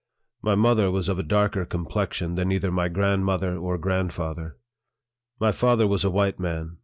My mother was of a darker com plexion than either my grandmother or grandfather. My father was a white man.